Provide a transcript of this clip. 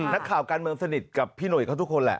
นักข่าวการเมืองสนิทกับพี่หนุ่ยเขาทุกคนแหละ